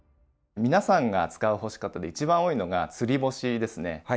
皆さんが使う干し方で一番多いのが「つり干し」ですね。